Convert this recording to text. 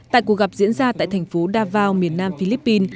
tại cuộc gặp diễn ra tại thành phố davao miền nam philippines